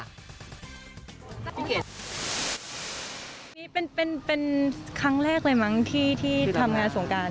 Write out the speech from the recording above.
มันนี่เป็นครั้งแรกอะไรที่ทำวัยส่งการ